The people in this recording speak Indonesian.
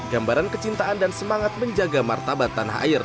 gambaran kecintaan dan semangat menjaga martabat tanah air